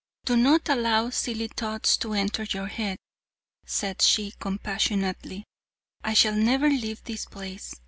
"Do not allow silly thoughts to enter your head," said she compassionately, "I shall never leave this place.